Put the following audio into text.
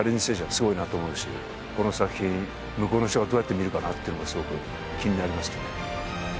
精神はすごいなと思うしこの作品向こうの人がどうやって見るかなってのもすごく気になりますね